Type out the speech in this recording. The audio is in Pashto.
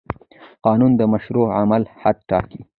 قانون د مشروع عمل حد ټاکي.